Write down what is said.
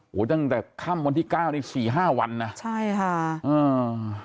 โอ้โหตั้งแต่ค่ำวันที่เก้านี่สี่ห้าวันนะใช่ค่ะอ่า